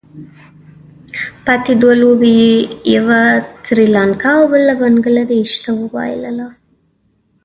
پاتې دوه لوبې یې یوه سري لانکا او بله بنګله دېش ته وبايلله.